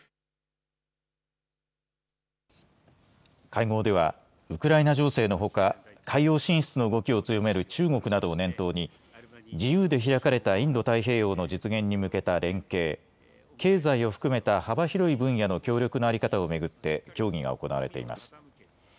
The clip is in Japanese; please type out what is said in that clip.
会合ではウクライナ情勢のほか海洋進出の動きを強める中国などを念頭に自由で開かれたインド太平洋の実現に向けた連携、経済を含めた幅広い分野の協力の在り方を巡って協議が行われています。